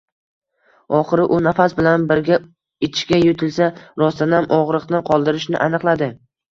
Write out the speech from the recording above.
Oxiri u nafas bilan birga ichga yutilsa, rostdanam og‘riqni qoldirishini aniqladi